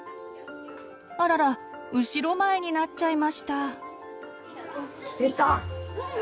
あらら後ろ前になっちゃいました。